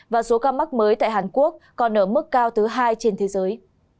và số ca mắc mới tại hàn quốc còn ở mức cao thứ hai trên thế giới